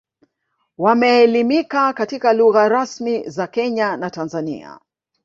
Wameelimika katika lugha rasmi za Kenya na Tanzania